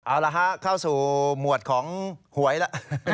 เอาละฮะเข้าสู่หมวดของหวยแล้ว